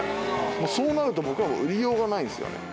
そうなると僕らも売りようがないんですよね。